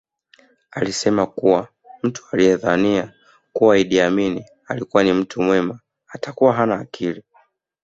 Alisema kuwa mtu anayedhania kuwa Idi Amin alikuwa ni mtu mwema atakuwa hana akili